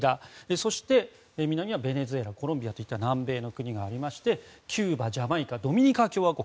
そして南はベネズエラコロンビアといった南米の国々がありましてキューバ、ジャマイカドミニカ共和国